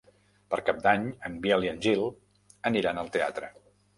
Per Cap d'Any en Biel i en Gil aniran al teatre.